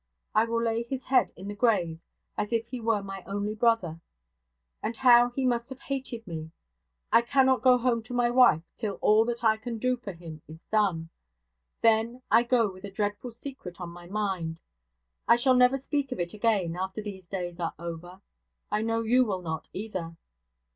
I will lay his head in the grave as if he were my only brother: and how he must have hated me! I cannot go home to my wife till all that I can do for him is done. Then I go with a dreadful secret on my mind. I shall never speak of it again, after these days are over. I know you will not, either.'